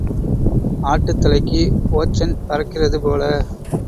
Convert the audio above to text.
ஆட்டுத்தலைக்கு ஓச்சன் பறக்கிறது போல.